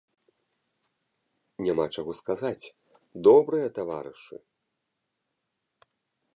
Няма чаго сказаць, добрыя таварышы!